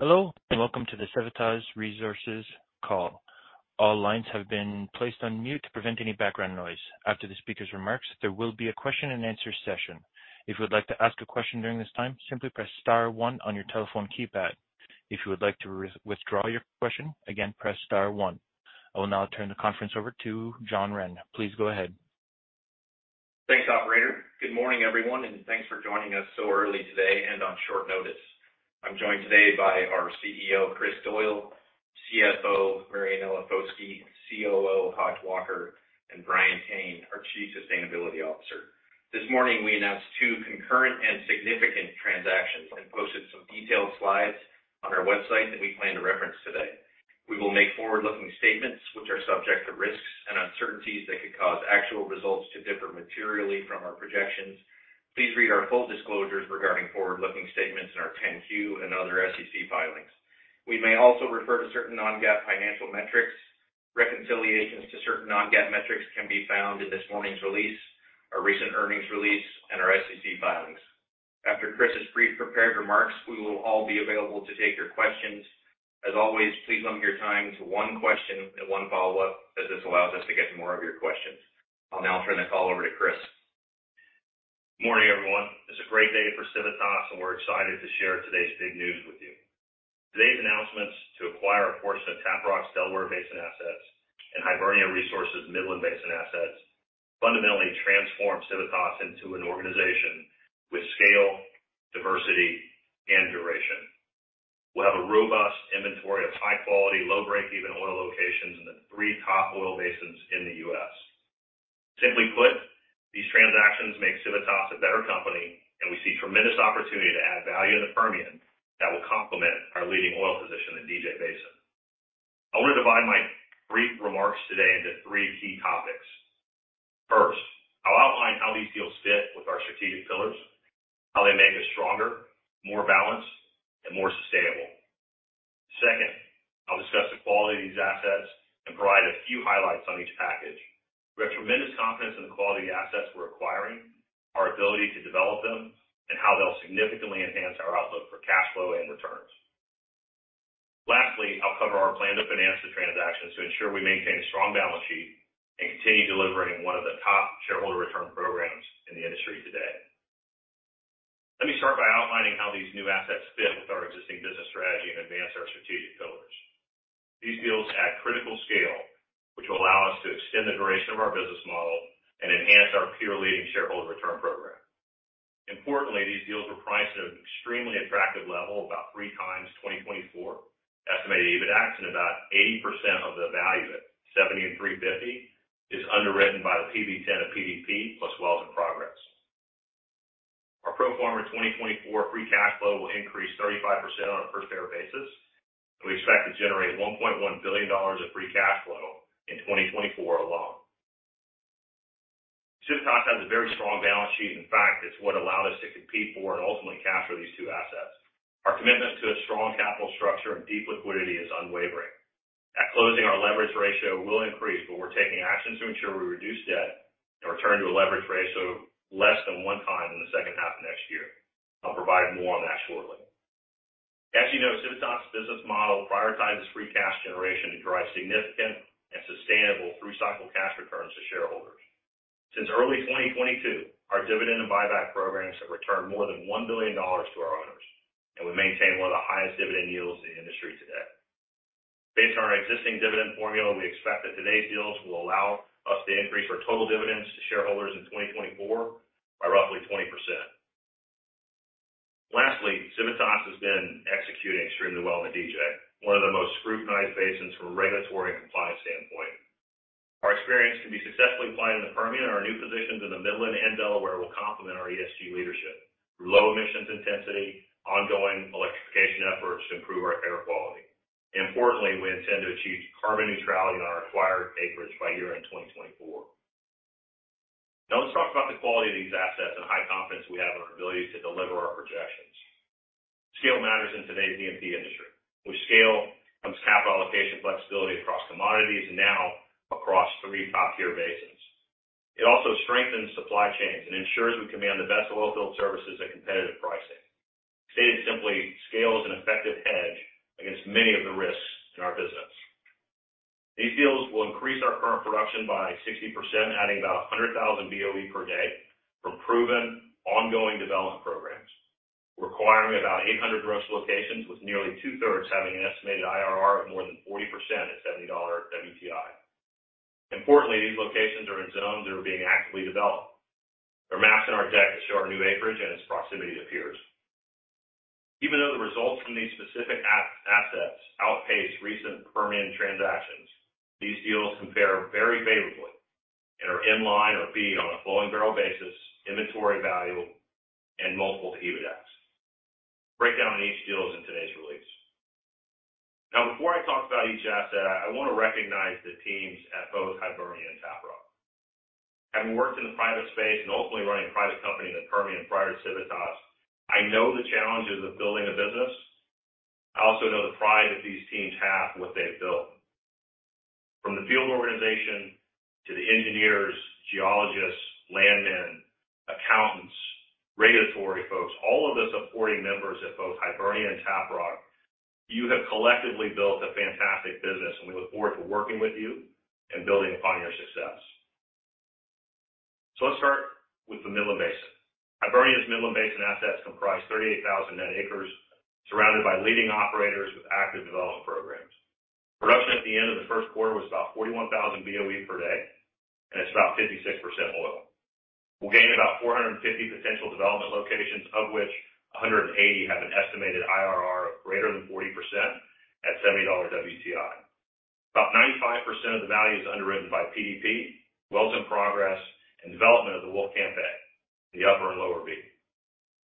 Hello, welcome to the Civitas Resources call. All lines have been placed on mute to prevent any background noise. After the speaker's remarks, there will be a question-and-answer session. If you would like to ask a question during this time, simply press star one on your telephone keypad. If you would like to withdraw your question, again, press star one. I will now turn the conference over to John Wren. Please go ahead. Thanks, operator. Good morning, everyone, thanks for joining us so early today and on short notice. I'm joined today by our CEO, Chris Doyle, CFO, Marianella Foschi, COO, Todd Walker, and Brian Kane, our Chief Sustainability Officer. This morning, we announced two concurrent and significant transactions and posted some detailed slides on our website that we plan to reference today. We will make forward-looking statements which are subject to risks and uncertainties that could cause actual results to differ materially from our projections. Please read our full disclosures regarding forward-looking statements in our 10-Q and other SEC filings. We may also refer to certain non-GAAP financial metrics. Reconciliations to certain non-GAAP metrics can be found in this morning's release, our recent earnings release, and our SEC filings. After Chris's brief prepared remarks, we will all be available to take your questions. As always, please limit your time to one question and one follow-up, as this allows us to get to more of your questions. I'll now turn the call over to Chris. Good morning, everyone. It's a great day for Civitas, and we're excited to share today's big news with you. Today's announcements to acquire a portion of Tap Rock's Delaware Basin assets and Hibernia Resources Midland Basin assets fundamentally transform Civitas into an organization with scale, diversity, and duration. We'll have a robust inventory of high-quality, low breakeven oil locations in the three top oil basins in the U.S. Simply put, these transactions make Civitas a better company, and we see tremendous opportunity to add value in the Permian that will complement our leading oil position in DJ Basin. I want to divide my brief remarks today into three key topics. First, I'll outline how these deals fit with our strategic pillars, how they make us stronger, more balanced, and more sustainable. Second, I'll discuss the quality of these assets and provide a few highlights on each package. We have tremendous confidence in the quality of the assets we're acquiring, our ability to develop them, and how they'll significantly enhance our outlook for cash flow and returns. Lastly, I'll cover our plan to finance the transactions to ensure we maintain a strong balance sheet and continue delivering one of the top shareholder return programs in the industry today. Let me start by outlining how these new assets fit with our existing business strategy and advance our strategic pillars. These deals add critical scale, which will allow us to extend the duration of our business model and enhance our peer-leading shareholder return program. Importantly, these deals were priced at an extremely attractive level, about 3 times 2024 estimated EBITDAX, and about 80% of the value at $70 and $3.50 is underwritten by the PV10 of PDP, plus wells in progress. Our pro forma 2024 free cash flow will increase 35% on a first fair basis, we expect to generate $1.1 billion of free cash flow in 2024 alone. Civitas has a very strong balance sheet. In fact, it's what allowed us to compete for and ultimately capture these two assets. Our commitment to a strong capital structure and deep liquidity is unwavering. At closing, our leverage ratio will increase, but we're taking actions to ensure we reduce debt and return to a leverage ratio less than one time in the second half of next year. I'll provide more on that shortly. As you know, Civitas' business model prioritizes free cash generation and drives significant and sustainable through-cycle cash returns to shareholders. Since early 2022, our dividend and buyback programs have returned more than $1 billion to our owners, and we maintain one of the highest dividend yields in the industry today. Based on our existing dividend formula, we expect that today's deals will allow us to increase our total dividends to shareholders in 2024 by roughly 20%. Lastly, Civitas has been executing extremely well in the DJ, one of the most scrutinized basins from a regulatory and compliance standpoint. Our experience can be successfully applied in the Permian, and our new positions in the Midland and Delaware will complement our ESG leadership through low emissions intensity, ongoing electrification efforts to improve our air quality. Importantly, we intend to achieve carbon neutrality on our acquired acreage by year-end 2024. Now, let's talk about the quality of these assets and high confidence we have in our ability to deliver our projections. Scale matters in today's E&P industry. With scale comes capital allocation flexibility across commodities and now across three top-tier basins. It also strengthens supply chains and ensures we command the best wellfield services at competitive pricing. Stated simply, scale is an effective hedge against many of the risks in our business. These deals will increase our current production by 60%, adding about 100,000 BOE per day from proven, ongoing development programs, requiring about 800 gross locations, with nearly two-thirds having an estimated IRR of more than 40% at $70 WTI. Importantly, these locations are in zones that are being actively developed. There are maps in our deck that show our new acreage and its proximity to peers. Even though the results from these specific assets outpace recent Permian transactions, these deals compare very favorably and are in line or feed on a flowing barrel basis, inventory value, and multiple to EBITDAX. Breakdown on each deal is in today's release. Before I talk about each asset, I want to recognize the teams at both Hibernia and Tap Rock. Having worked in the private space and ultimately running a private company in the Permian prior to Civitas, I know the challenges of building a business. I also know the pride that these teams have in what they've built. From the field organization to the engineers, geologists, landmen, accountants, regulatory folks, all of the supporting members at both Hibernia and Tap Rock, you have collectively built a fantastic business. We look forward to working with you and building upon your success. Let's start with the Midland Basin. Hibernia's Midland Basin assets comprise 38,000 net acres, surrounded by leading operators with active development programs. Production at the end of the first quarter was about 41,000 BOE per day, and it's about 56% oil. We gained about 450 potential development locations, of which 180 have an estimated IRR of greater than 40% at $70 WTI. About 95% of the value is underwritten by PDP, wells in progress, and development of the Wolfcamp A, the Upper and Lower B.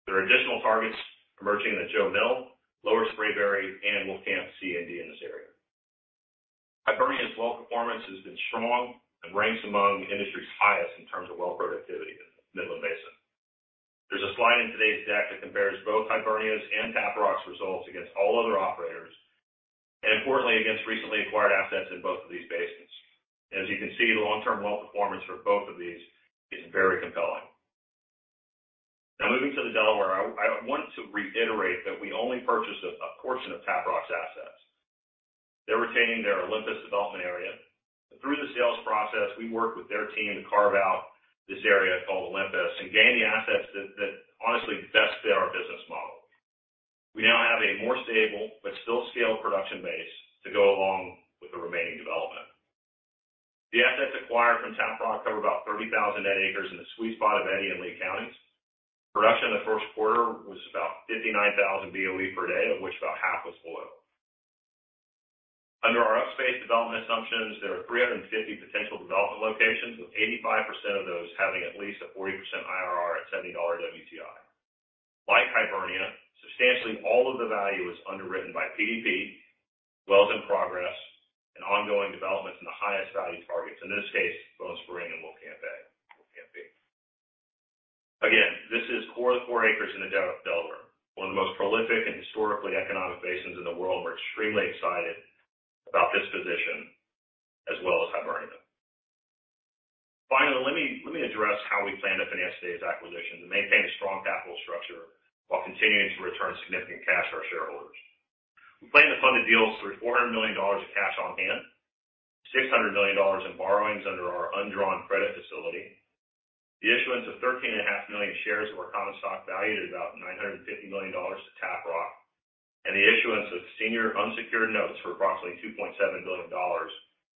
There are additional targets emerging in the Jo Mill, Lower Spraberry, and Wolfcamp C and D in this area. Hibernia's well performance has been strong and ranks among the industry's highest in terms of well productivity in the Midland Basin. There's a slide in today's deck that compares both Hibernia's and Tap Rock's results against all other operators, and importantly, against recently acquired assets in both of these basins. As you can see, the long-term well performance for both of these is very compelling. Now, moving to the Delaware, I want to reiterate that we only purchased a portion of Tap Rock's assets. They're retaining their Olympus development area. Through the sales process, we worked with their team to carve out this area called Olympus and gain the assets that honestly best fit our business model. We now have a more stable but still scaled production base to go along with the remaining development. The assets acquired from Tap Rock cover about 30,000 net acres in the sweet spot of Eddy and Lea counties. Production in the first quarter was about 59,000 BOE per day, of which about half was oil. Under our upspace development assumptions, there are 350 potential development locations, with 85% of those having at least a 40% IRR at $70 WTI. Like Hibernia, substantially all of the value is underwritten by PDP, wells in progress, and ongoing developments in the highest value targets, in this case, Bone Spring and Wolfcamp A, Wolfcamp B. Again, this is core to core acres in the Delaware, one of the most prolific and historically economic basins in the world. We're extremely excited about this position as well as Hibernia. Finally, let me address how we plan to finance today's acquisition, to maintain a strong capital structure while continuing to return significant cash to our shareholders. We plan to fund the deals through $400 million of cash on hand, $600 million in borrowings under our undrawn credit facility, the issuance of thirteen and a half million shares of our common stock valued at about $950 million to Tap Rock, and the issuance of senior unsecured notes for approximately $2.7 billion,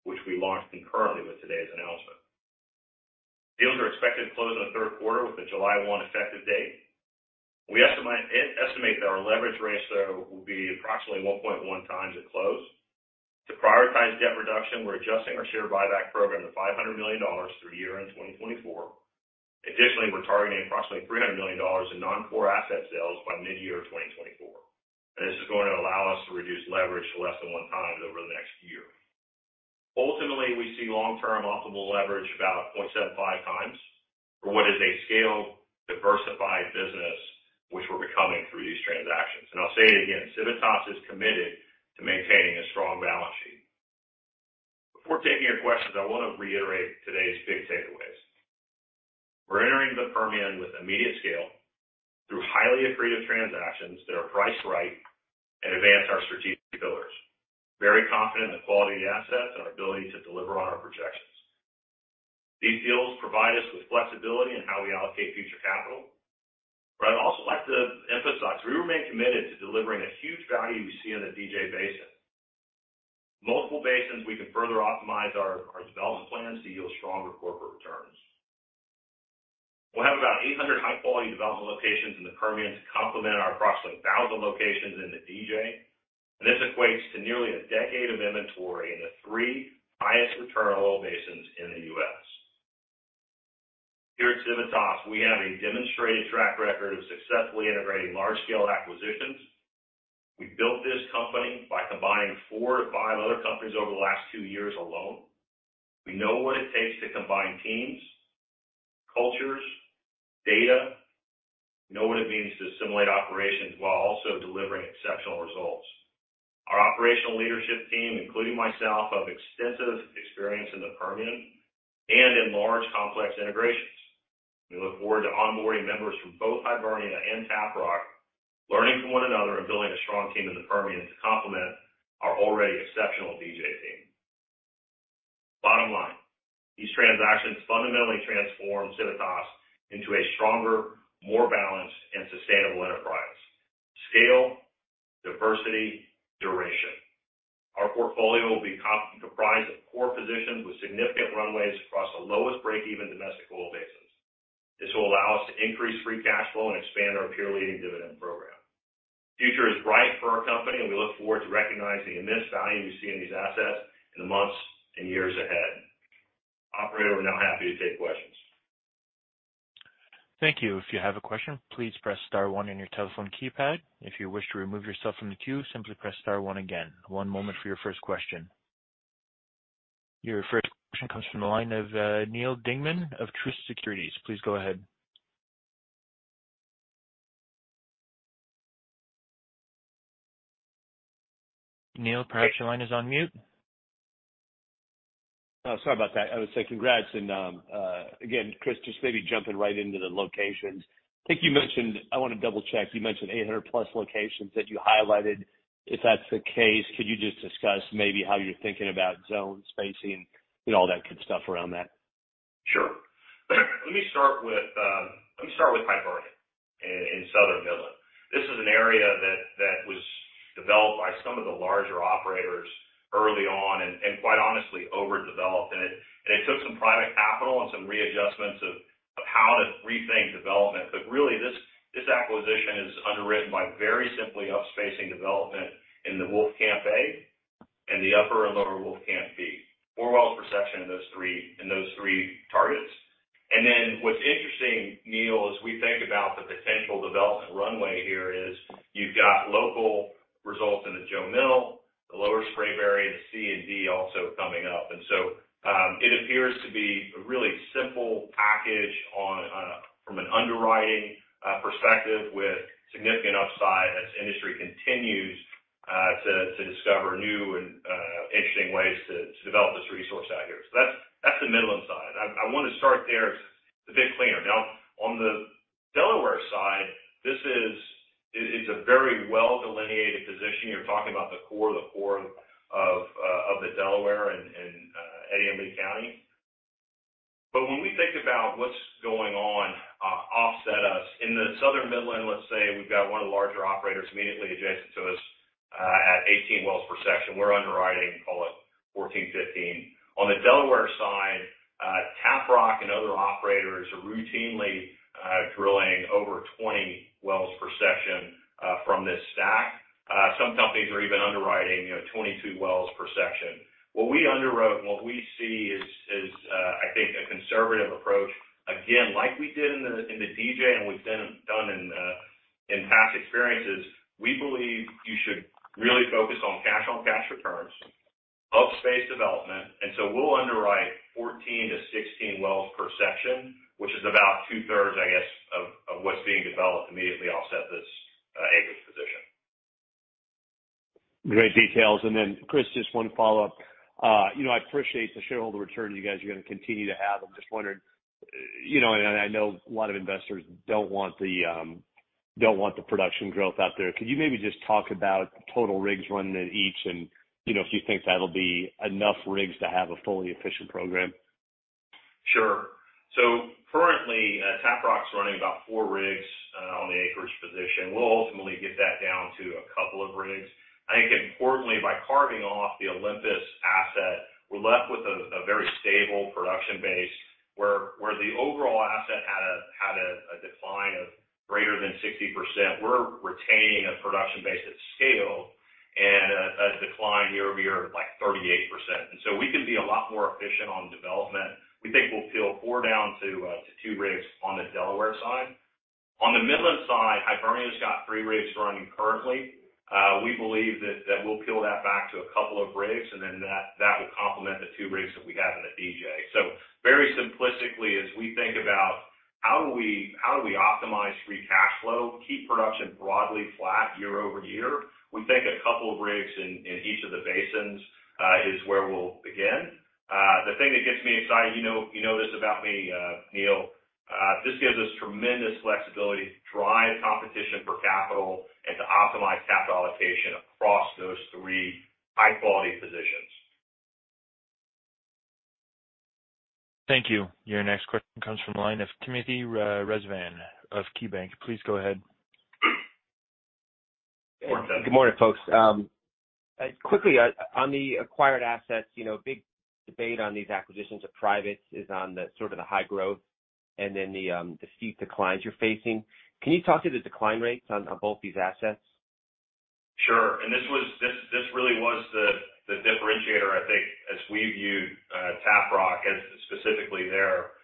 which we launched concurrently with today's announcement. Deals are expected to close in the 3rd quarter with a July one effective date. We estimate that our leverage ratio will be approximately 1.1 times at close. To prioritize debt reduction, we're adjusting our share buyback program to $500 million through year-end 2024. Additionally, we're targeting approximately $300 million in non-core asset sales by midyear 2024, and this is going to allow us to reduce leverage to less than 1 times over the next year. Ultimately, we see long-term optimal leverage about 0.75 times for what is a scaled, diversified business, which we're becoming through these transactions. I'll say it again, Civitas is committed to maintaining a strong balance sheet. Before taking your questions, I wanna reiterate today's big takeaways. We're entering the Permian with immediate scale through highly accretive transactions that are priced right and advance our strategic pillars. Very confident in the quality of the assets and our ability to deliver on our projections. These deals provide us with flexibility in how we allocate future capital. I'd also like to emphasize, we remain committed to delivering a huge value we see in the DJ Basin. Multiple basins, we can further optimize our development plans to yield stronger corporate returns. We'll have about 800 high-quality development locations in the Permian to complement our approximately 1,000 locations in the DJ. This equates to nearly a decade of inventory in the three highest return oil basins in the U.S. Here at Civitas, we have a demonstrated track record of successfully integrating large-scale acquisitions. We built this company by combining 4 to 5 other companies over the last 2 years alone. We know what it takes to combine teams, cultures, data. We know what it means to assimilate operations while also delivering exceptional results. Our operational leadership team, including myself, have extensive experience in the Permian and in large complex integrations. We look forward to onboarding members from both Hibernia and Tap Rock, learning from one another and building a strong team in the Permian to complement our already exceptional DJ team. Bottom line, these transactions fundamentally transform Civitas into a stronger, more balanced and sustainable enterprise. Scale, diversity, duration. Our portfolio will be comprised of core positions with significant runways across the lowest break-even domestic oil basins. This will allow us to increase free cash flow and expand our peer-leading dividend program. Future is bright for our company, and we look forward to recognizing the immense value we see in these assets in the months and years ahead. Operator, we're now happy to take questions. Thank you. If you have a question, please press star one on your telephone keypad. If you wish to remove yourself from the queue, simply press star one again. One moment for your first question. Your first question comes from the line of Neal Dingmann of Truist Securities. Please go ahead. Neal, perhaps your line is on mute. Oh, sorry about that. I would say congrats. Again, Chris, just maybe jumping right into the locations. I want to double-check, you mentioned 800 plus locations that you highlighted. If that's the case, could you just discuss maybe how you're thinking about zone spacing and all that good stuff around that? Sure. Let me start with, let me start with Hibernia in Southern Midland. This is an area that was developed by some of the larger operators early on, and quite honestly, overdeveloped. It took some private capital and some readjustments of how to rethink development. Really, this acquisition is underwritten by very simply upspacing development in the Wolfcamp A and the Upper and Lower Wolfcamp B. Four wells per section in those three targets. Then what's interesting, Neal, as we believe you should really focus on cash-on-cash returns, upspace development, and so we'll underwrite 14-16 wells per section, which is about two-thirds, I guess, of what's being developed immediately offset this, acreage position. Great details. Chris, just one follow-up. You know, I appreciate the shareholder return you guys are gonna continue to have. I'm just wondering, you know, and I know a lot of investors don't want the, don't want the production growth out there. Could you maybe just talk about total rigs running in each and, you know, if you think that'll be enough rigs to have a fully efficient program? Sure. Currently, Tap Rock's running about 4 rigs on the acreage position. We'll ultimately get that down to 2 rigs. I think importantly, by carving off the Olympus asset, we're left with a very stable production base, where the overall asset had a decline of greater than 60%. We're retaining a production base at scale and a decline year-over-year of, like, 38%. We can be a lot more efficient on development. We think we'll peel 4 down to 2 rigs on the Delaware side. On the Midland side, Hibernia's got 3 rigs running currently. We believe that we'll peel that back to 2 rigs, and then that will complement the 2 rigs that we have in the DJ. Very simplistically, as we think about how do we optimize free cash flow, keep production broadly flat year-over-year, we think a couple of rigs in each of the basins is where we'll begin. The thing that gets me excited, you know this about me, Neal, this gives us tremendous flexibility to drive competition for capital and to optimize capital allocation across those three high-quality positions. Thank you. Your next question comes from the line of Timothy Rezvan of KeyBanc. Please go ahead. Good morning, folks. Quickly, on the acquired assets, you know, big debate on these acquisitions of privates is on the sort of the high growth and then the steep declines you're facing. Can you talk to the decline rates on both these assets? Sure. This was-- this really was the differentiator, I think, as we viewed Tap Rock as specifically there.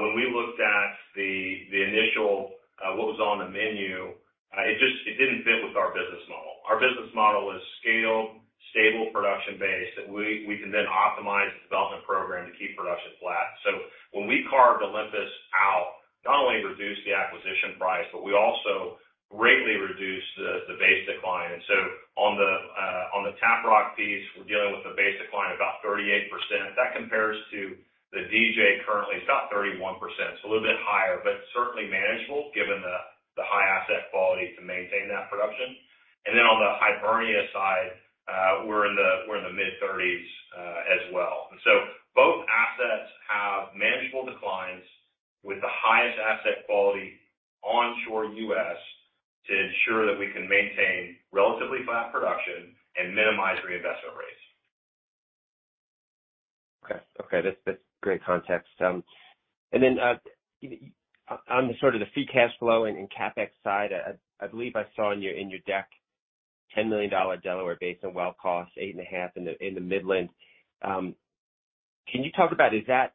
When we looked at the initial, what was on the menu, it just, it didn't fit with our business model. Our business model is scale, stable production base, that we can then optimize the development program to keep production flat. When we carved Olympus out, not only reduced the acquisition price, but we also greatly reduced the base decline. On the, on the Tap Rock piece, we're dealing with a base decline of about 38%. That compares to the DJ, currently, it's about 31%. It's a little bit higher, but certainly manageable, given the high asset quality to maintain that production. On the Hibernia side, we're in the mid 30s as well. Both assets have manageable declines with the highest asset quality onshore U.S. to ensure that we can maintain relatively flat production and minimize reinvestment rates. Okay. Okay, that's great context. Then, on the sort of the free cash flow and CapEx side, I believe I saw in your deck, $10 million Delaware Basin well costs, $8.5 million in the Midland. Can you talk about, is that,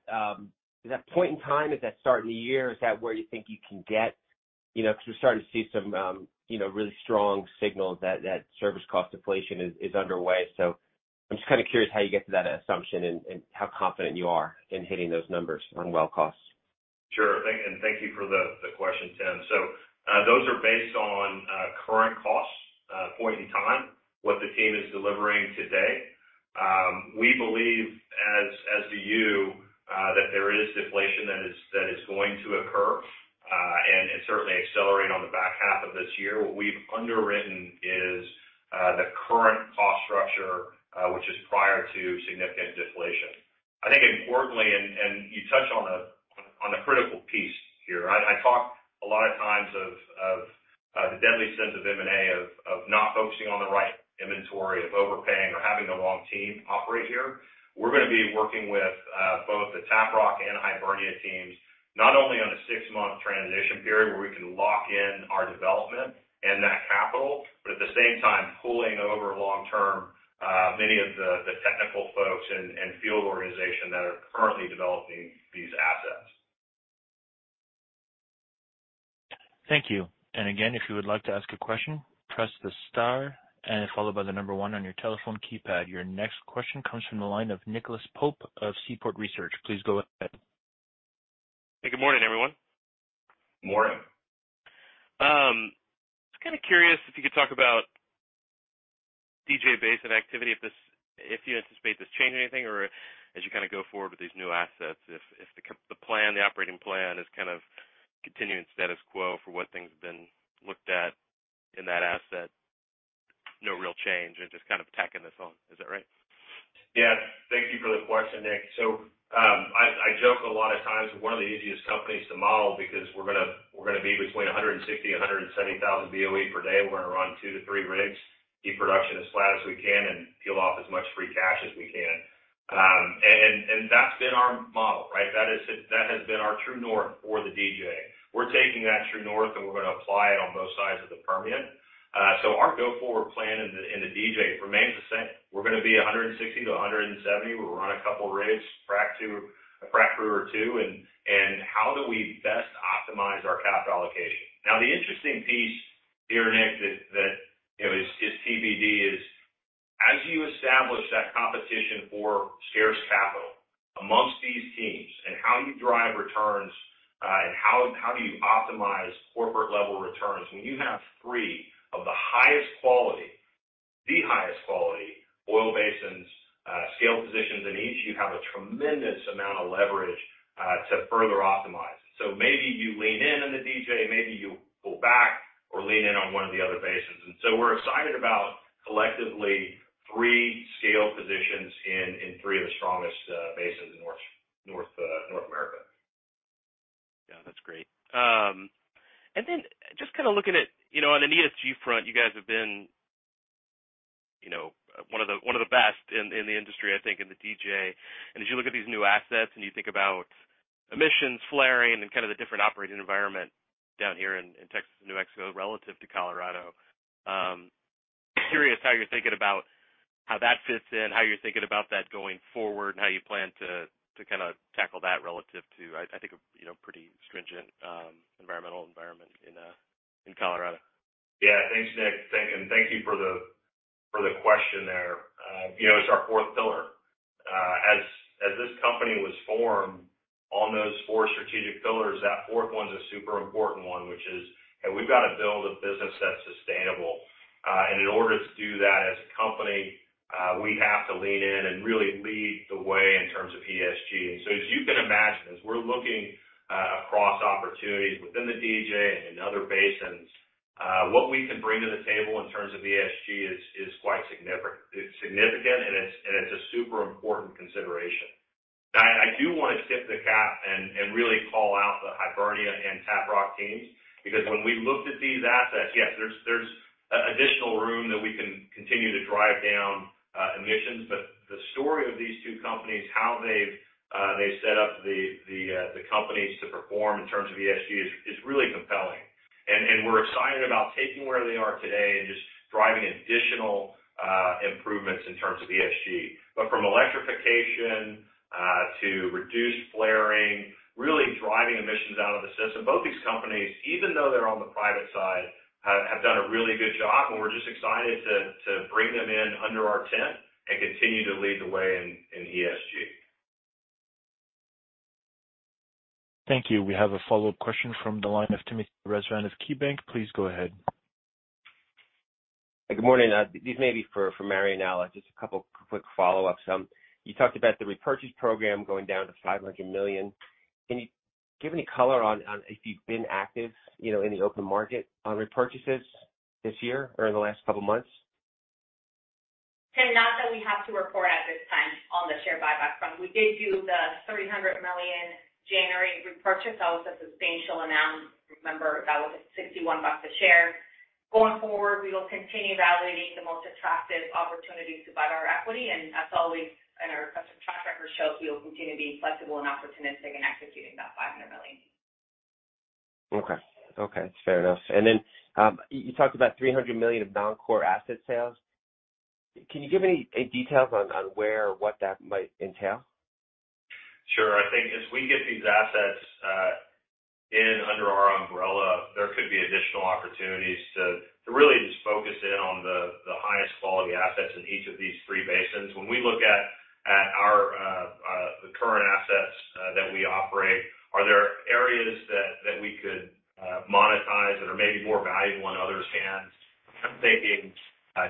is that point in time, is that start in the year, is that where you think you can get? You know, because we're starting to see some, you know, really strong signals that service cost deflation is underway. I'm just kind of curious how you get to that assumption and how confident you are in hitting those numbers on well costs. Sure. Thank you for the question, Tim. Those are based on current costs, point in time, what the team is delivering today. We believe, as do you, that there is deflation that is going to occur, and certainly accelerate on the back half of this year. What we've underwritten is the current cost structure, which is prior to significant deflation. I think importantly, you touch on the critical piece here. I talk a lot of times of the deadly sins of M&A, of not focusing on the right inventory, of overpaying or having the wrong team operate here. We're gonna be working with both the Tap Rock and Hibernia teams, not only on a six-month transition period where we can lock in our development and that capital, but at the same time, pulling over long term, many of the technical folks and field organization that are currently developing these assets. Thank you. Again, if you would like to ask a question, press the star and followed by 1 on your telephone keypad. Your next question comes from the line of Nicholas Pope of Seaport Research. Please go ahead. Hey, good morning, everyone. Morning. Just kind of curious if you could talk about DJ Basin activity, if you anticipate this changing anything, or as you kind of go forward with these new assets, if the plan, the operating plan is kind of continuing status quo for what things have been looked at in that asset, no real change, and just kind of tacking this on. Is that right? Yeah, thank you for the question, Nick. I joke a lot of times, we're one of the easiest companies to model because we're gonna be between 160,000-170,000 BOE per day. We're gonna run 2-3 rigs, keep production as flat as we can, and peel off as much free cash as we can. That's been our model, right? That has been our true north for the DJ. We're taking that true north, and we're gonna apply it on both sides of the Permian. Our go-forward plan in the DJ remains the same. We're gonna be 160,000-170,000 BOE per day. We'll run a couple rigs, frac 2, a frac crew or 2, and how do we best optimize our capital allocation? The interesting piece here, Nick, that, you know, is TBD, is as you establish that competition for scarce capital amongst these teams and how you drive returns, and how do you optimize corporate level returns? When you have 3 of the highest quality oil basins, scale positions in each, you have a tremendous amount of leverage to further optimize. Maybe you lean in on the DJ, maybe you pull back or lean in on one of the other basins. We're excited about collectively 3 scale positions in 3 of the strongest basins in North America. Yeah, that's great. And then just kind of looking at, you know, on an ESG front, you guys have been, you know, one of the best in the industry, I think, in the DJ. As you look at these new assets and you think about emissions, flaring, and kind of the different operating environment down here in Texas and New Mexico relative to Colorado, curious how you're thinking about how that fits in, how you're thinking about that going forward, and how you plan to kinda tackle that relative to, I think, a, you know, pretty stringent environmental environment in Colorado. Yeah. Thanks, Nick. Thank you for the question there. You know, it's our fourth pillar. As this company was formed on those four strategic pillars, that fourth one is a super important one, which is, hey, we've got to build a business that's sustainable. In order to do that as Good morning. This may be for Marianella and Alan, just a couple quick follow-ups. You talked about the repurchase program going down to $500 million. Can you give any color on if you've been active, you know, in the open market on repurchases this year or in the last couple of months? Tim, not that we have to report at this time on the share buyback front. We did do the $300 million January repurchase. That was a substantial amount. Remember, that was at 61 bucks a share. Going forward, we will continue evaluating the most attractive opportunities to buy our equity, and as always, and our track record shows, we will continue to be flexible and opportunistic in executing that $500 million. Okay. Okay, fair enough. Then, you talked about $300 million of non-core asset sales. Can you give any details on where or what that might entail? Sure. I think as we get these assets, in under our umbrella, there could be additional opportunities to really just focus in on the highest quality assets in each of these three basins. When we look at our current assets that we operate, are there areas that we could monetize that are maybe more valuable in others' hands? I'm thinking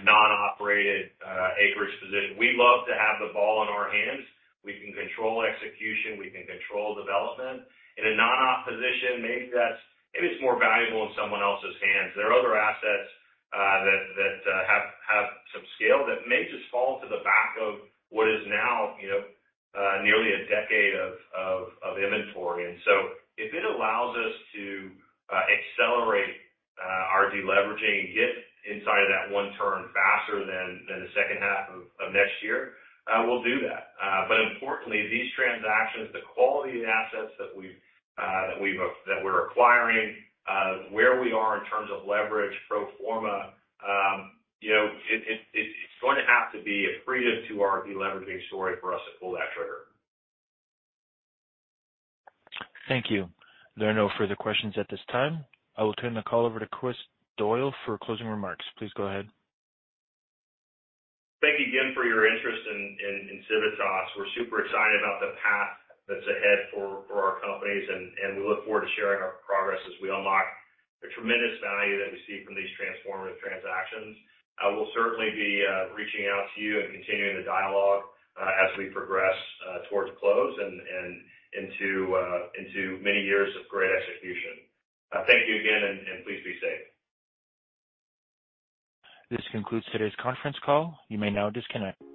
non-operated acreage position. We love to have the ball in our hands. We can control execution, we can control development. In a non-op position, maybe it's more valuable in someone else's hands. There are other assets that have some scale that may just fall to the back of what is now, you know, nearly a decade of inventory. If it allows us to accelerate our deleveraging and get inside of that one turn faster than the second half of next year, we'll do that. But importantly, these transactions, the quality of the assets that we're acquiring, where we are in terms of leverage, pro forma, you know, it's going to have to be accretive to our deleveraging story for us to pull that trigger. Thank you. There are no further questions at this time. I will turn the call over to Chris Doyle for closing remarks. Please go ahead. Thank you again for your interest in Civitas. We're super excited about the path that's ahead for our companies, and we look forward to sharing our progress as we unlock the tremendous value that we see from these transformative transactions. I will certainly be reaching out to you and continuing the dialogue as we progress towards close and into many years of great execution. Thank you again, and please be safe. This concludes today's conference call. You may now disconnect.